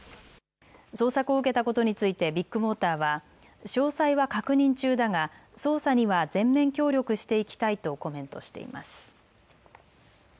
捜索を受けたことについてビッグモーターは詳細は確認中だが捜査には全面協力していきたいとコメントしています。